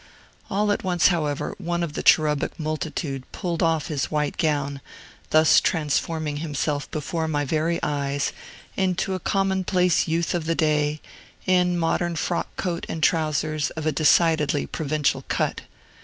All at once, however, one of the cherubic multitude pulled off his white gown, thus transforming himself before my very eyes into a commonplace youth of the day, in modern frock coat and trousers of a decidedly provincial cut.